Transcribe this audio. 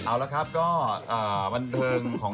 เอาเหละครับก็วันเวิญของ